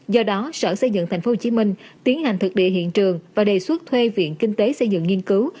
do đó sở xây dựng tp hcm tiến hành thực địa hiện trường và đề xuất thuê viện kinh tế xây dựng nghiên cứu